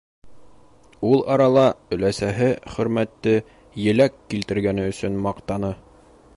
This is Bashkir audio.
Ул арала өләсәһе Хөрмәтте еләк килтергәне өсөн маҡтаны.